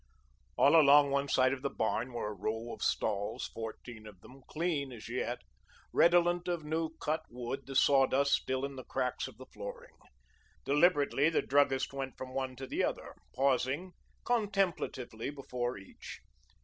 All along one side of the barn were a row of stalls, fourteen of them, clean as yet, redolent of new cut wood, the sawdust still in the cracks of the flooring. Deliberately the druggist went from one to the other, pausing contemplatively before each.